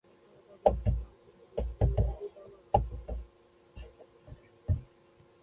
افغانستان تر هغو نه ابادیږي، ترڅو د بوټانو فابریکې فعالې نشي.